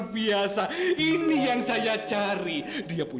bukan yang laki laki itu